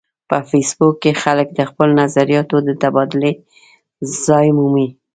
په فېسبوک کې خلک د خپلو نظریاتو د تبادلې ځای مومي